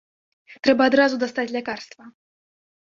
Трэба адразу дастаць лякарства.